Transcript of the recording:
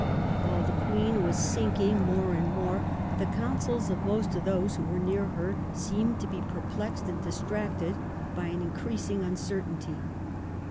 While the Queen was sinking more and more, the counsels of most of those who were near her seemed to be perplexed and distracted by an increasing un certainty.